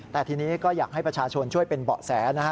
แต่ทีนี้ก็อยากให้ประชาชนช่วยเป็นเบาะแสนะฮะ